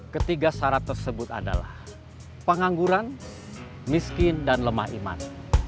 ketiga syarat tersebut adalah pengangguran miskin dan lemah iman